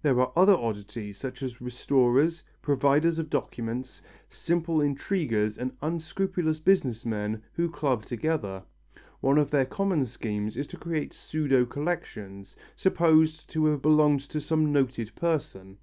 There are other oddities, such as restorers, providers of documents, simple intriguers and unscrupulous business men who club together. One of their common schemes is to create pseudo collections, supposed to have belonged to some noted person.